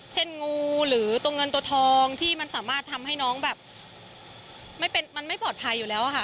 งูหรือตัวเงินตัวทองที่มันสามารถทำให้น้องแบบมันไม่ปลอดภัยอยู่แล้วค่ะ